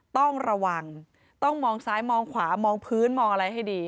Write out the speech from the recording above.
ต้องระวังต้องมองซ้ายมองขวามองพื้นมองอะไรให้ดี